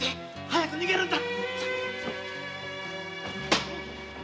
早く逃げるんだ。